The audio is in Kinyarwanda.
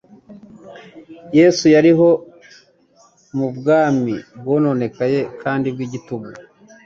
Yesu yariho mu bwami bwononekaye kandi bw'igitugu,